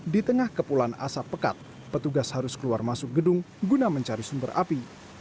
di tengah kepulan asap pekat petugas harus keluar masuk gedung guna mencari sumber api